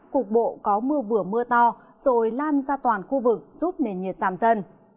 cục bộ có mưa vừa mưa to rồi lan ra toàn khu vực giúp nền nhiệt giảm dần